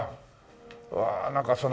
わあなんかその。